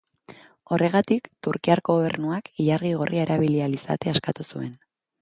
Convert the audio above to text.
Horregatik, turkiar gobernuak ilargi gorria erabili ahal izatea eskatu zuen.